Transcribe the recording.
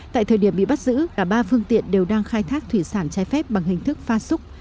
tại thời điểm bị bắt giữ cả ba phương tiện đều đang khai thác thủy sản trái phép bằng hình thức pha súc